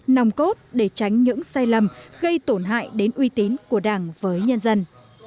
nòng cốt để tránh những sai lầm gây tổn hại đến uy tín của đảng với nhân dân